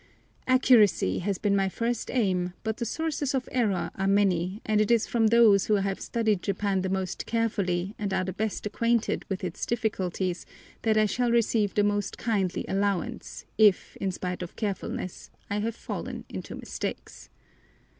Accuracy has been my first aim, but the sources of error are many, and it is from those who have studied Japan the most carefully, and are the best acquainted with its difficulties, that I shall receive the most kindly allowance if, in spite of carefulness, I have fallen into mistakes.